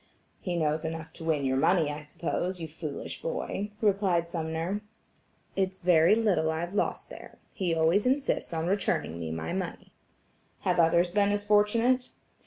"He knows enough to win your money, I suppose, you foolish boy," replied Sumner. "It's very little I've lost there. He always insists on returning me my money." "Have others been as fortunate?"